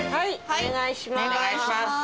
お願いします。